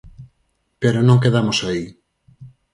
Pero non quedamos aí.